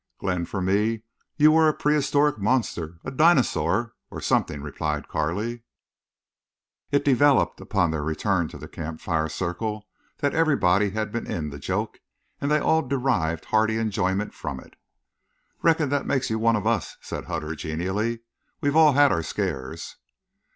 "Glenn, for me you were a prehistoric monster—a dinosaur, or something," replied Carley. It developed, upon their return to the campfire circle, that everybody had been in the joke; and they all derived hearty enjoyment from it. "Reckon that makes you one of us," said Hutter, genially. "We've all had our scares."